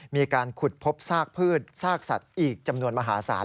มีการขุดพบซากพืชซากสัตว์อีกจำนวนมหาศาล